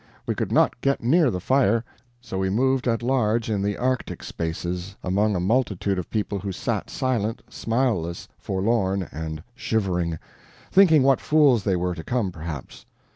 We could not get near the fire, so we moved at large in the artic spaces, among a multitude of people who sat silent, smileless, forlorn, and shivering thinking what fools they were to come, perhaps.